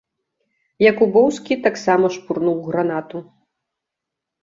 Якубоўскі таксама шпурнуў гранату.